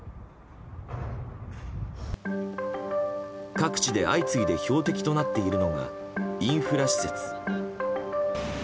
各地で相次いで標的となっているのがインフラ施設。